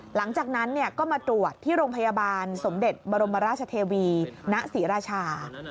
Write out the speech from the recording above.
หลังจากนั้นก็มาตรวจที่โรงพยาบาลสมเด็จบรมราชเทวีณศรีราชา